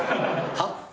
はっ？